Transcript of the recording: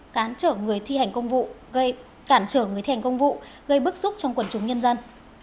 cản trở người thi hành công vụ gây bức xúc trong quần chúng nhân dân